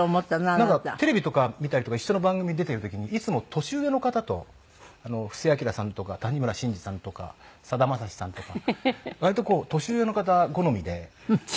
なんかテレビとか見たりとか一緒の番組に出ている時にいつも年上の方と布施明さんとか谷村新司さんとかさだまさしさんとか割とこう年上の方好みで。